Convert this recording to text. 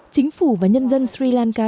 chính phủ và nhân dân sri lanka